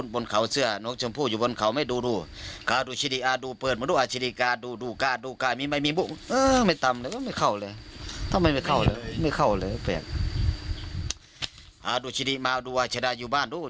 พระอาจารย์ลายบอกลองดูอยู่บ้าน